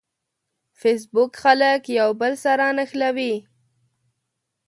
فېسبوک خلک یو بل سره نښلوي